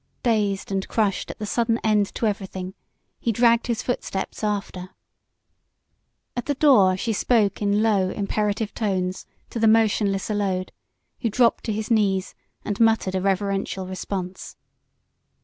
Dazed and crushed at the sudden end to everything, he dragged his footsteps after. At the door she spoke in low, imperative tones to the motionless Allode, who dropped to his knees and muttered a reverential response.